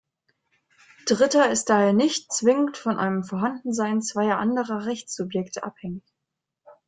Dritter ist daher nicht zwingend von einem Vorhandensein zweier anderer Rechtssubjekte abhängig.